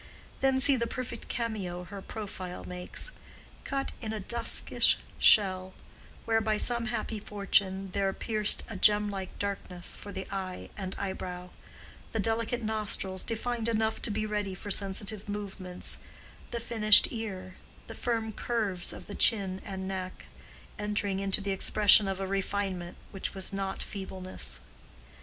Then see the perfect cameo her profile makes, cut in a duskish shell, where by some happy fortune there pierced a gem like darkness for the eye and eyebrow; the delicate nostrils defined enough to be ready for sensitive movements, the finished ear, the firm curves of the chin and neck, entering into the expression of a refinement which was not feebleness.